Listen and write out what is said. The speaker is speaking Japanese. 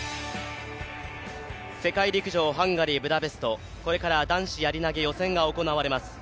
世界陸上ハンガリー・ブダペスト、これから男子やり投予選が行われます。